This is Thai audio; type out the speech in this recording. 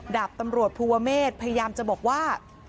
ดาบตำรวจภูเวอเมธฮิรันท์พยายามจะบอกว่า